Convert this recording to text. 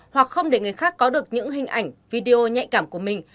hoặc không để người khác có được những hình ảnh video nhạy cảm của mình